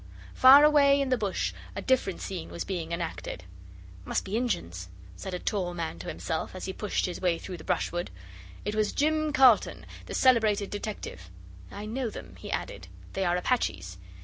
Far away in the Bush a different scene was being enacted. 'Must be Injuns,' said a tall man to himself as he pushed his way through the brushwood. It was Jim Carlton, the celebrated detective. 'I know them,' he added; 'they are Apaches.